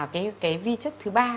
cái vi chất thứ ba